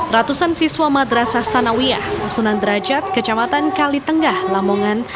ratusan siswa madrasah sanawiyah musunan derajat kecamatan kalitenggah lamongan